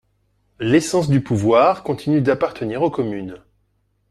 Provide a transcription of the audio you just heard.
L’essence du pouvoir continue d’appartenir aux communes.